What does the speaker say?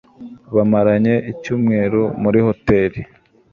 Bamaranye icyumweru muri hoteri.